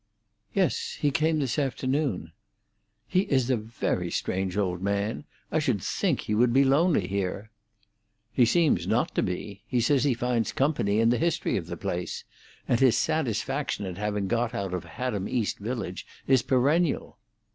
"Yes; he came this afternoon." "He is a very strange old man. I should think he would be lonely here." "He seems not to be. He says he finds company in the history of the place. And his satisfaction at having got out of Haddam East Village is perennial."